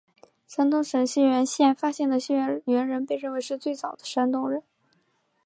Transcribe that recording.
山东省沂源县发现的沂源猿人被认为是最早的山东人。